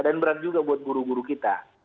dan berat juga buat guru guru kita